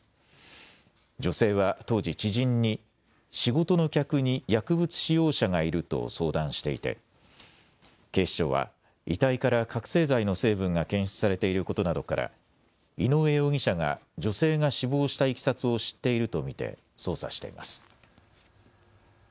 女性は当時、知人に仕事の客に薬物使用者がいると相談していて警視庁は遺体から覚醒剤の成分が検出されていることなどから井上容疑者が女性が死亡したいきさつを知っていると見て捜査しています。